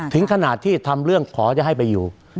ถึงขนาดที่ทำเรื่องขอจะให้ไปอยู่